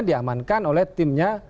diamankan oleh timnya